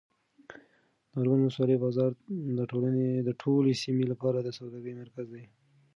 د ارګون ولسوالۍ بازار د ټولې سیمې لپاره د سوداګرۍ مرکز دی.